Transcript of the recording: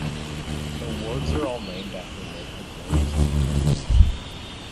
The wards are all named after local villages and towns.